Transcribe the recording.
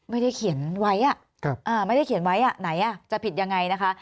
อ้าวไม่ได้เขียนไว้น่ะไหนอ่ะจะผิดอย่างไรนะคะ